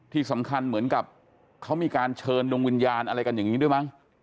ที่สำคัญเหมือนกับเขามีการเชิญดวงวิญญาณอะไรกันอย่างนี้ด้วยมั้ง